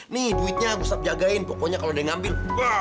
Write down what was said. nih duitnya harus jagain pokoknya kalau dia ngambil